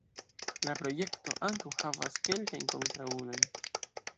La projekto ankaŭ havas kelkajn kontraŭulojn.